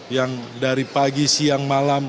yang dari pagi siang malam